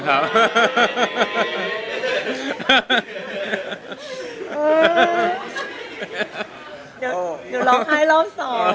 เดี๋ยวร้องไห้รอบ๒